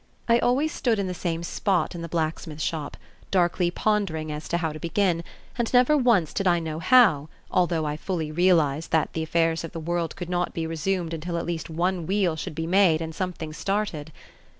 I always stood in the same spot in the blacksmith shop, darkly pondering as to how to begin, and never once did I know how, although I fully realized that the affairs of the world could not be resumed until at least one wheel should be made and something started.